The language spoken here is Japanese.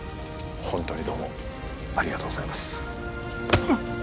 ホントにどうもありがとうございますうっ